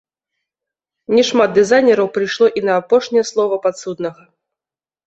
Не шмат дызайнераў прыйшло і на апошняе слова падсуднага.